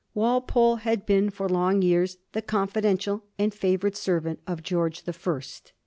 Walpole had been for long years the confidential and favoured servant of George the First.